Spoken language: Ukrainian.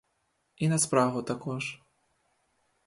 І на спрагу також.